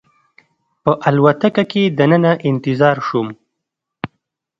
په الوتکه کې دننه انتظار شوم.